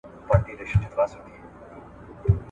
او د زړه غوښتني شعور په ښځه کي